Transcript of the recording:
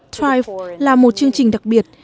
thoai là một chương trình đặc biệt